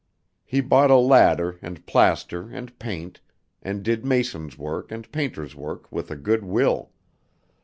He bought a ladder and plaster and paint, and did mason's work and painter's work with a good will.